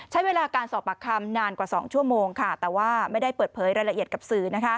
ใช้เวลาการสอบปากคำนานกว่า๒ชั่วโมงค่ะแต่ว่าไม่ได้เปิดเผยรายละเอียดกับสื่อ